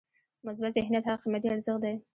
مثبت ذهنیت هغه قیمتي ارزښت دی.